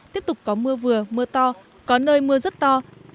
tiếp tục có mưa vừa mưa to có nơi mưa rất to